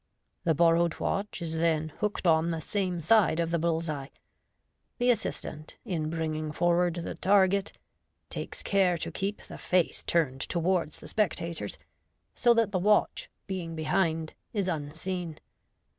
The borrowed watch is then hook, d on the same side of the bull's eye. The assistant, in bringing forward the target, takes care to keep the face turned towards the spectators, so that the watch, being behind, is unseen.